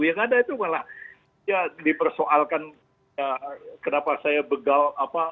yang ada itu malah ya dipersoalkan kenapa saya begal apa